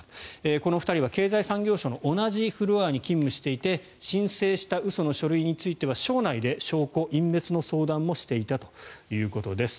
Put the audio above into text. この２人は経済産業省の同じフロアに勤務していて申請した嘘の書類については省内で証拠隠滅の相談もしていたということです。